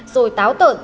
rồi táo tợn